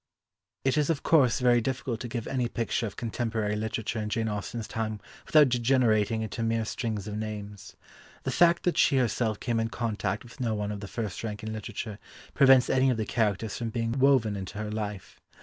It is, of course, very difficult to give any picture of contemporary literature in Jane Austen's time without degenerating into mere strings of names. The fact that she herself came in contact with no one of the first rank in literature prevents any of the characters from being woven into her life.